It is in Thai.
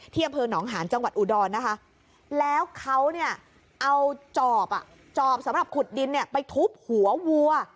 อำเภอหนองหาญจังหวัดอุดรนะคะแล้วเขาเนี่ยเอาจอบจอบสำหรับขุดดินไปทุบหัววัว